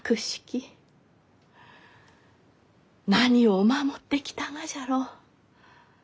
何を守ってきたがじゃろう？